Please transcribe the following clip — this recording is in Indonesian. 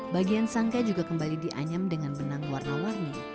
bagian sangka juga kembali dianyam dengan benang warna warni